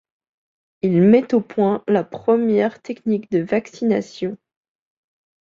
Il met au point la première technique de vaccination.